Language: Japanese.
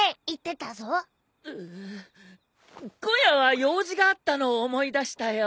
今夜は用事があったのを思い出したよ。